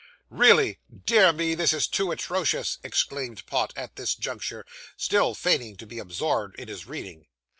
'Really! Dear me, this is too atrocious!' exclaimed Pott, at this juncture; still feigning to be absorbed in his reading.